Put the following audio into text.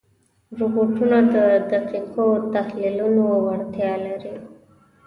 روبوټونه د دقیقو تحلیلونو وړتیا لري.